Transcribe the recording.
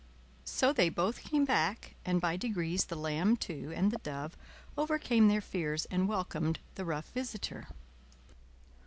So they both came back, and by degrees the lamb too and the dove overcame their fears and welcomed the rough visitor.